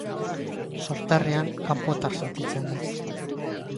Sorterrian kanpotar sentitzen naiz.